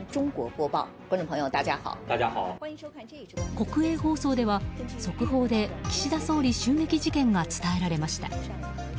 国営放送では速報で岸田総理襲撃事件が伝えられました。